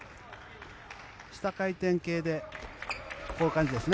下回転系でこういう感じですね。